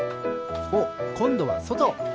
おっこんどはそと！